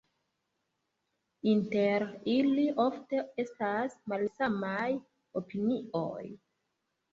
Inter ili ofte estas malsamaj opinioj.